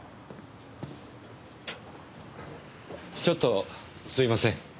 ちょっとすいません。